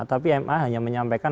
tapi ma hanya menyampaikan